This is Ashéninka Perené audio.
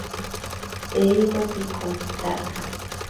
Eero pikompitana.